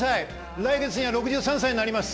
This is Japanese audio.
来月には６３歳なります。